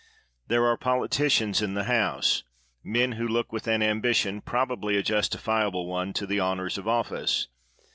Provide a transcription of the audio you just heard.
There are politicians in the House — men who look with an ambition — probably a justifiable one — to the honors of oflSce.